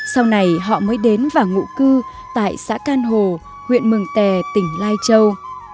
sau này họ mới đến và ngụ cư tại xã can hồ huyện mừng tè tỉnh lai châu